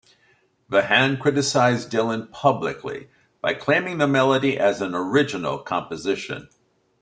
Behan criticized Dylan publicly by claiming the melody as an original composition.